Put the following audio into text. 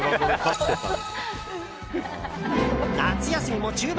夏休みも中盤！